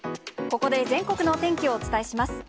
ここで全国のお天気をお伝えします。